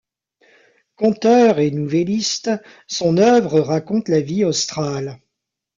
Conteur et nouvelliste, son œuvre raconte la vie australe.